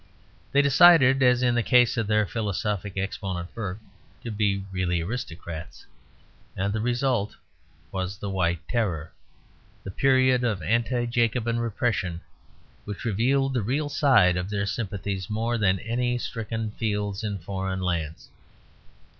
They decided, as in the case of their philosophic exponent Burke, to be really aristocrats; and the result was the White Terror, the period of Anti Jacobin repression which revealed the real side of their sympathies more than any stricken fields in foreign lands.